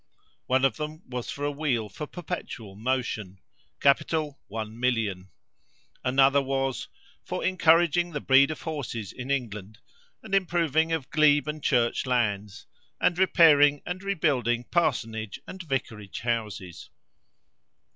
One of them was for a wheel for perpetual motion capital one million; another was "for encouraging the breed of horses in England, and improving of glebe and church lands, and repairing and rebuilding parsonage and vicarage houses."